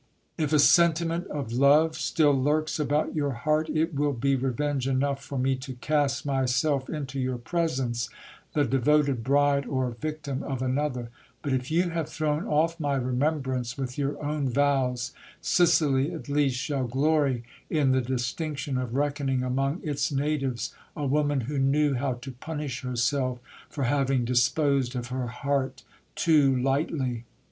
If a sentiment of love still lurks about your heart, it will be revenge enough for me to cast myself into your presence, the devoted bride or victim of another : but if you have thrown off my remembrance with your own vows, Sicily at least shall glory in the distinction of reckoning among its natives a woman who knew how to punish herself for having disposed of her heart too lightly.